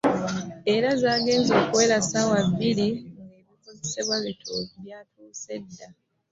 Era nga zaagenze okuwera essaawa ebbiri ng'ebikozesebwa byonna byatuuse dda